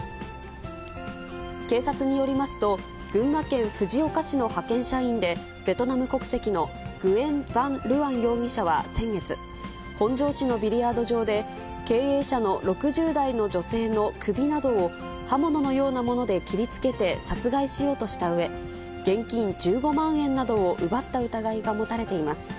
警察によりますと、群馬県藤岡市の派遣社員で、ベトナム国籍のグエン・ヴァン・ルアン容疑者は先月、本庄市のビリヤード場で、経営者の６０代の女性の首などを刃物のようなもので切りつけて殺害しようとしたうえ、現金１５万円などを奪った疑いが持たれています。